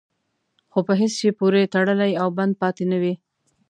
خو په هېڅ شي پورې تړلی او بند پاتې نه وي.